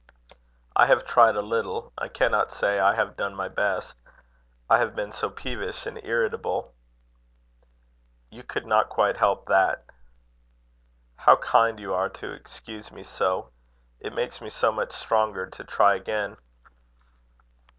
"I have tried a little. I cannot say I have done my best. I have been so peevish and irritable." "You could not quite help that." "How kind you are to excuse me so! It makes me so much stronger to try again."